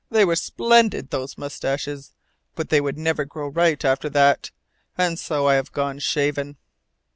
They were splendid, those moustaches, but they would never grow right after that, and so I have gone shaven."